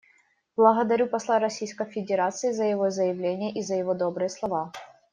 Благодарю посла Российской Федерации за его заявление и за его добрые слова.